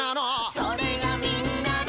「それがみんなの」